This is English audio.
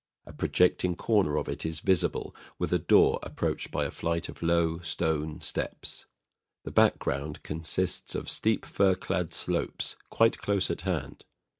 A projecting corner of it is visible, with a door approached by a flight of low stone steps. The background consists of steep fir clad slopes, quite close at hand.